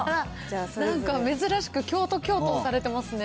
なんか珍しく京都京都されてますね。